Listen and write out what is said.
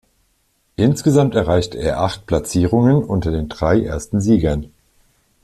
Insgesamt erreichte er acht Platzierungen unter den drei ersten Siegern.